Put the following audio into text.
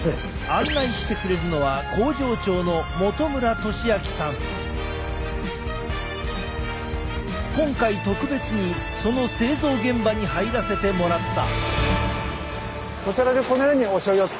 案内してくれるのは今回特別にその製造現場に入らせてもらった。